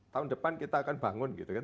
tahun depan kita akan bangun gitu kan